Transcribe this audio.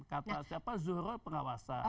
kata siapa zuhroi pengawasan